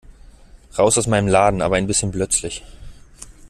Raus aus meinem Laden, aber ein bisschen plötzlich!